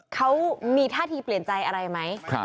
เขามีท่าทีเปลี่ยนใจอะไรไหม